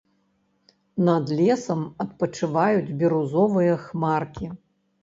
Над лесам адпачываюць бірузовыя хмаркі.